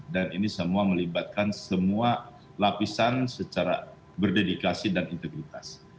dan ini semua melibatkan semua lapisan secara berdedikasi dan integritas